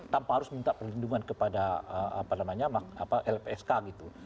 tanpa harus minta perlindungan kepada lpsk gitu